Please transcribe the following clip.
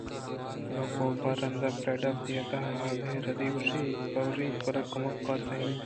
اگاں کاف رندءَ فریڈا ءَ وتی اِد ءِآہگءِ ردی ءَگوٛشیت بہ گوٛشیت بلئے کمکار سہی مہ بیت